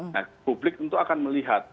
nah publik tentu akan melihat